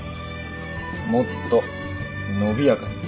もっと伸びやかに。